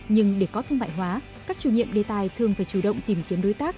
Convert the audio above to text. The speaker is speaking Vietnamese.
nhưng để có thương mại hóa các chủ nhiệm đề tài thường phải chủ động tìm kiếm đối tác